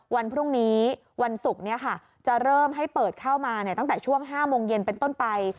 วันพรุ่งนี้วันศุกร์จะเริ่มให้เปิดเข้ามาตั้งแต่ช่วง๕โมงเย็นเป็นต้นไป